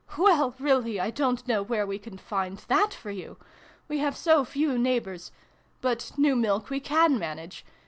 " Well, really I don't know where we can find that for you ! We have so few neighbours. But new milk we can manage.